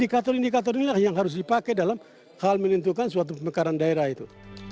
kata kata ini yang harus dipakai dalam hal menentukan suatu pemekaran daerah itu